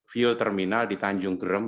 viu terminal di tanjung gerem